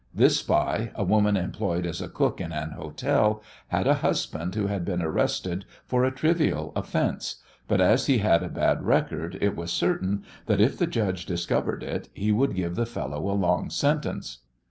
This spy, a woman employed as a cook in an hotel, had a husband who had been arrested for a trivial offence, but as he had a bad record it was certain that if the judge discovered it he would give the fellow a long sentence.